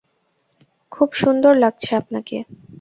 খুব সুন্দর লাগছে আপনাকে।